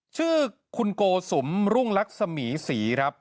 ชื่อคุณโกสุมรุ่งลักษมีศรีครับ